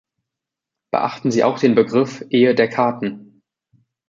Beachten Sie auch den Begriff „Ehe der Karten“.